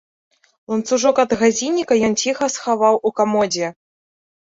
Ланцужок ад гадзінніка ён ціха схаваў у камодзе.